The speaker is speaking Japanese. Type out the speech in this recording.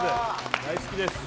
’ｚ大好きです